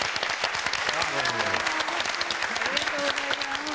ありがとうございます。